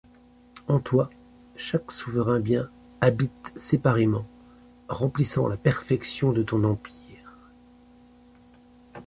En toi chaque souverain bien habite séparément Remplissant la perfection de ton empire.